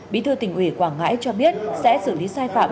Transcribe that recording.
bí thư tỉnh ủy quảng ngãi cho biết sẽ xử lý sai phạm